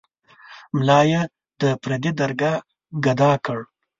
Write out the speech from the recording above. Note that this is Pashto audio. ملا یې د پردي درګاه ګدا کړ.